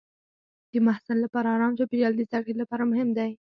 د محصل لپاره ارام چاپېریال د زده کړې لپاره مهم دی.